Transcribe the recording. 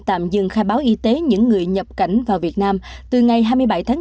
tạm dừng khai báo y tế những người nhập cảnh vào việt nam từ ngày hai mươi bảy tháng bốn